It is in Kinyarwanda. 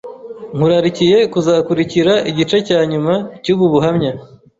Nkurarikiye kuzakurikira igice cya nyuma cy’ubu buhamya